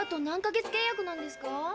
何か月契約なんですか？